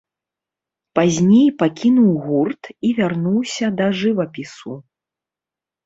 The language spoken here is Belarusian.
Пазней пакінуў гурт і вярнуўся да жывапісу.